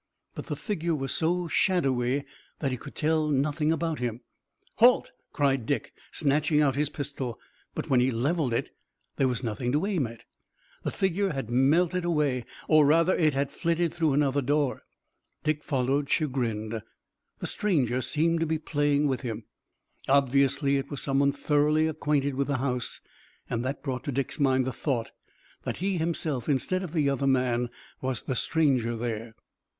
But the figure was so shadowy that he could tell nothing about him. "Halt!" cried Dick, snatching out his pistol. But when he leveled it there was nothing to aim at. The figure had melted away, or rather it had flitted through another door. Dick followed, chagrined. The stranger seemed to be playing with him. Obviously, it was some one thoroughly acquainted with the house, and that brought to Dick's mind the thought that he himself, instead of the other man, was the stranger there.